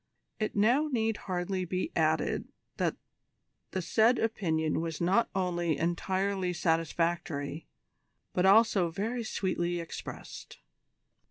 It now need hardly be added that the said opinion was not only entirely satisfactory, but also very sweetly expressed.